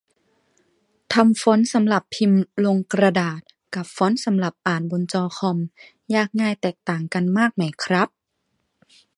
ทำฟอนต์สำหรับพิมพ์ลงกระดาษ กับ ฟอนต์สำหรับอ่านบนจอคอม ยากง่ายแตกต่างกันมากไหมครับ ?